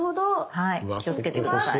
はい気を付けて下さい。